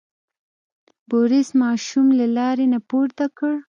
بوریس ماشوم له لارې نه پورته کړ.